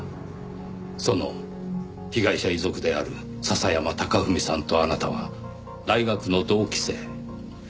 その被害者遺族である笹山隆文さんとあなたは大学の同期生。